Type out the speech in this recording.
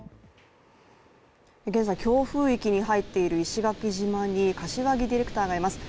現在、強風域に入っている石垣島に柏木ディレクターがいます。